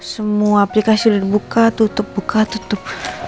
semua aplikasi sudah dibuka tutup buka tutup